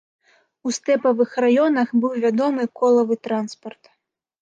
У стэпавых раёнах быў вядомы колавы транспарт.